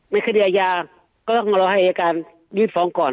ในคารียายาก็ต้องยืนฟองก่อน